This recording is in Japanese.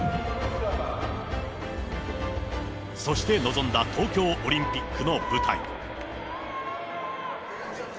そして臨んだ東京オリンピックの舞台。